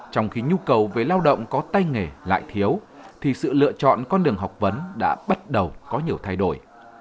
trong khi nhu cầu về lao động có tay nghề lại thiếu thì sự lựa chọn con đường học vấn đã bắt đầu có nhiều thay đổi